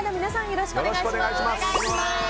よろしくお願いします。